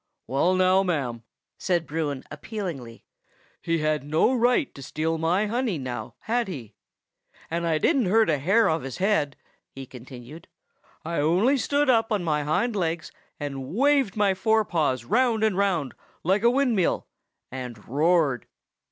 "Well now, ma'am!" said Bruin appealingly, "he had no right to steal my honey; now had he? And I didn't hurt a hair of his head," he continued. "I only stood up on my hind legs and waved my fore paws round and round like a windmill, and roared."